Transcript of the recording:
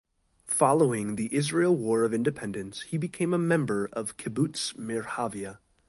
Following the Israel War of Independence, he became a member of Kibbutz Merhavia.